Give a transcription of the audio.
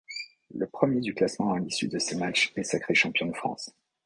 Le premier du classement à l'issue de ces matchs est sacré champion de France.